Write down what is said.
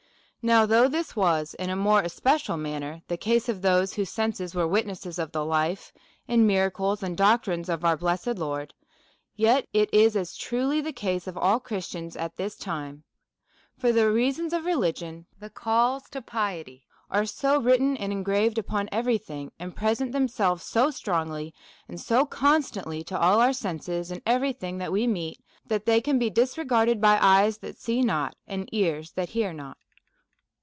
Now, though this was in a more especial manner the case of those whose senses were witnesses of the life, and miracles, and doctrines of our blessed Lord ; yet it is truly the case of all Christians at this time. For the reasons of religion, the calls of piety, are so l2 148 A SERIOUS CALL TO A written and engraved upon every thing', and present themselves so strongly and so constantly to all our senses in every thing that we meet, that they can only be disregared by eyes that see not, and cars that hear not.